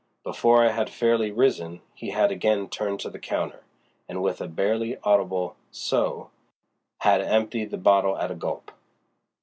Before I had fairly risen, he had again turned to the counter, and with a barely audible "so," had emptied the bottle at a gulp.